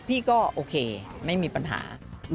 พี่ก็โอเคไม่มีปัญหา